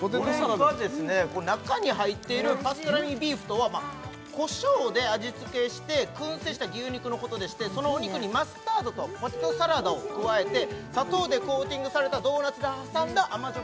これがですね中に入っているパストラミビーフとはこしょうで味付けしてくん製した牛肉のことでしてそのお肉にマスタードとポテトサラダを加えて砂糖でコーティングされたドーナツで挟んだ甘じょ